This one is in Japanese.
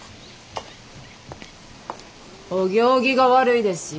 お行儀が悪いですよ。